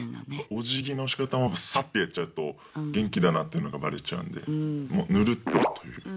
おじぎのしかたもサッてやっちゃうと元気だなっていうのがバレちゃうんでもうぬるっとという。